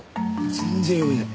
全然読めない。